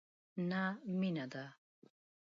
نه مینه ده،